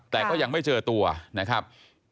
แต่ก็ยังไม่เจอตัวนะครับ